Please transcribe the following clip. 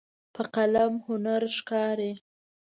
په قلم هنر ښکاري.